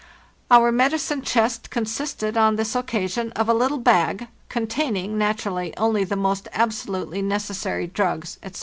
Our medicine chest consisted, on this occasion, of a little bag, containing, naturally, only the most absolutely necessary drugs, etc.